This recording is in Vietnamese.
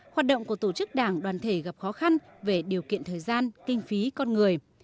hoạt động của tổ chức đảng đoàn thể gặp khó khăn về điều kiện thời gian kinh phí con người